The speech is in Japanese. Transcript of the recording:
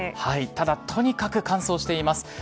ただ、とにかく乾燥しています。